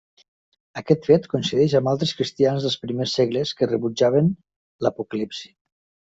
Aquest fet coincideix amb altres cristians dels primers segles que rebutjaven l'Apocalipsi.